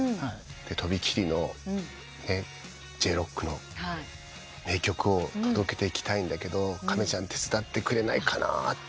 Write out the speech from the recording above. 「飛び切りのＪ−ＲＯＣＫの名曲を届けていきたいんだけど亀ちゃん手伝ってくれないかな」と。